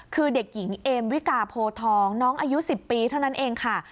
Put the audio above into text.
คือเด็กหญิงเอมวิกาโพทองน้องอายุ๑๐ปีเท่านั้นเองค่ะ